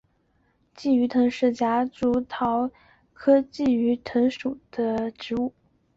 鲫鱼藤是夹竹桃科鲫鱼藤属的植物。